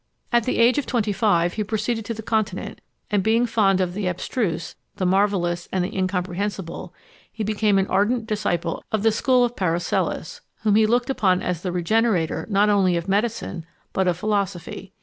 At the age of twenty five he proceeded to the continent; and being fond of the abstruse, the marvellous, and the incomprehensible, he became an ardent disciple of the school of Paracelsus, whom he looked upon as the regenerator not only of medicine, but of philosophy.